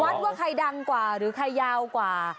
ว่าใครดังกว่าหรือใครยาวกว่า